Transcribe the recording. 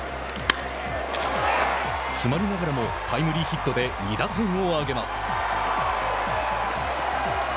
詰まりながらもタイムリーヒットで２打点をあげます。